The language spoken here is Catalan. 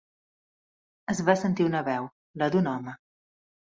Es va sentir una veu, la d'un home.